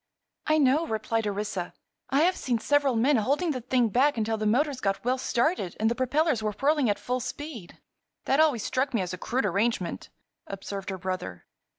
"I know," replied Orissa. "I have seen several men holding the thing back until the motors got well started and the propellers were whirling at full speed." "That always struck me as a crude arrangement," observed her brother.